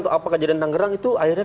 atau apa kejadian tangerang itu akhirnya